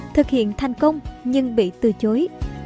thực hiện thành công nhưng bị từ chối